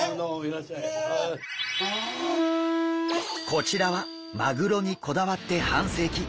こちらはマグロにこだわって半世紀。